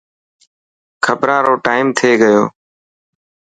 خبران رو ٽائيم ٿي گيو.